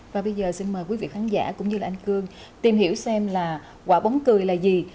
và bây giờ xin mời quý vị khán giả cũng như là anh cương tìm hiểu xem là quả bóng cười là gì